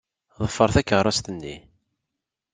Ḍfer takeṛṛust-nni.